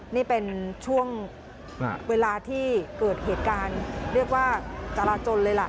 นี่เป็นช่วงเวลาที่เกิดเหตุการณ์เรียกว่าจราจนเลยล่ะ